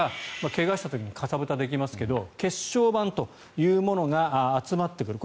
怪我した時にかさぶたができますが血小板というものが集まってくる。